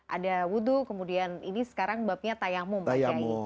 ada wudhu kemudian ini sekarang babnya tayamum